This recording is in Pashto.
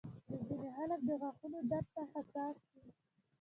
ځینې خلک د غاښونو درد ته حساس وي.